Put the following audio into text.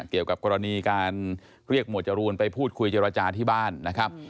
เกี่ยวกับกรณีการเรียกหมวดจรูนไปพูดคุยเจรจาที่บ้านนะครับ